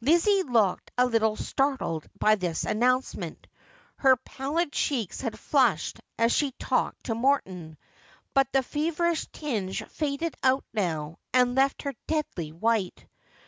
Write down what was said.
Lizzie looked a little startled by this announcement. Her pallid cheeks had flushed as she talked to Morton, but the feverish tinge faded out now, and left her deadly white.